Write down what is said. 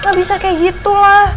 gak bisa kayak gitu lah